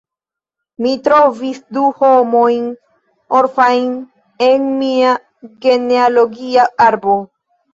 Mi trovis du homojn orfajn en mia genealogia arbo.